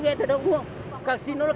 mà nói chuyện này